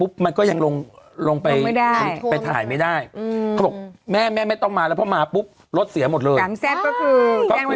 ชัดตอนแรกเธอต้องไป๓แทรฟต้องทำระหับ๓แทรฟ